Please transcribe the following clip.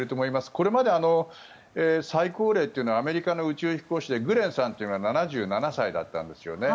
これまで最高齢というのはアメリカの宇宙飛行士でグレンさんというのが７７歳だったんですよね。